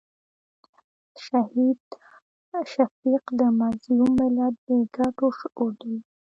شهید شفیق د مظلوم ملت د ګټو شعور درلود.